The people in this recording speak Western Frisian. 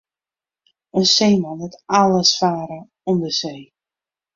In seeman lit alles farre om de see.